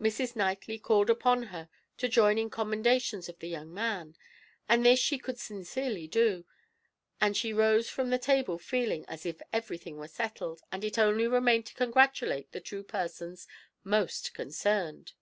Mrs. Knightley called upon her to join in commendations of the young man, and this she could sincerely do; and she rose from the table feeling as if everything were settled, and it only remained to congratulate the two persons most concerned.